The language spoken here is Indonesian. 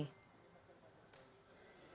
kita akan menjaga kekuatan